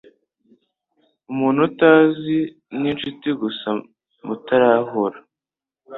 Umuntu utazi ninshuti gusa mutarahura.